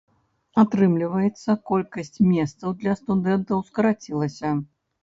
Атрымліваецца, колькасць месцаў для студэнтаў скарацілася.